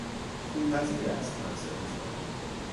خوپذیر است نفس انسانی